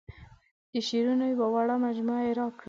د شعرونو یوه وړه مجموعه یې راکړه.